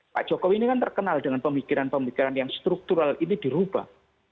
pak jokowi ini kan terkenal dengan pemikiran pemikiran yang struktural ini dirubah